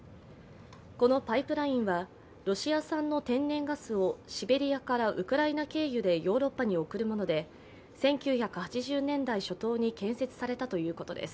このパイプラインはロシア産の天然ガスをシベリアからウクライナ経由でヨーロッパに送るもので１９８０年代初頭に建設されたということです。